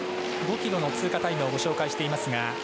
５ｋｍの通過タイムを紹介しています。